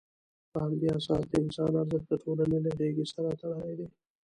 په همدې اساس، د انسان ارزښت د ټولنې له غېږې سره تړلی دی.